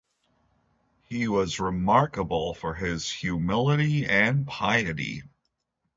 He was remarkable for his humility and piety.